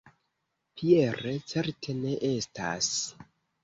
Pierre certe ne estas.